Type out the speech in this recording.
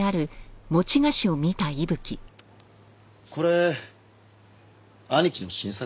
これ兄貴の新作？